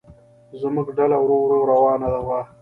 زموږ ډله ورو ورو روانه وه.